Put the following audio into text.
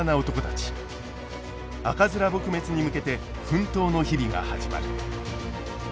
赤面撲滅に向けて奮闘の日々が始まる。